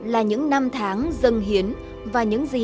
là những năm tháng dâng hiến